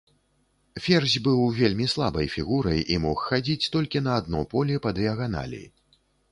Ферзь быў вельмі слабай фігурай і мог хадзіць толькі на адно поле па дыяганалі.